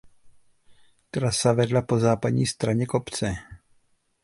Trasa vedla po západní straně kopce.